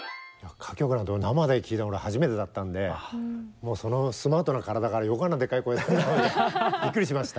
歌曲なんて俺生で聴いたの初めてだったんでもうそのスマートな体からよくあんなでっかい声びっくりしました。